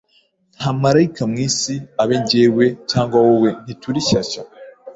Nta marayika mwisi abe Ngewe cg wowe ntituri shyashya